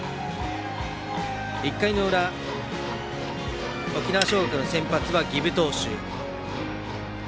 １回の裏、沖縄尚学の先発は儀部投手。